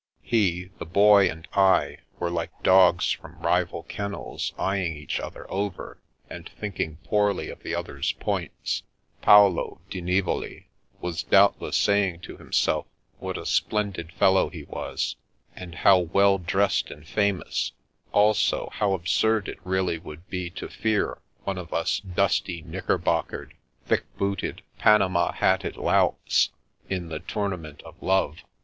He, the Boy and I were like dogs from rival ken nels eyeing each other over, and thinking poorly of the other's points. Paolo di Nivoli was doubtless saying to himself what a splendid fellow he was, and how well dressed and famous; also how absurd it really would be to fear one of us dusty, knicker bockered, thick booted, pananMi hatted louts, in the tournament of love.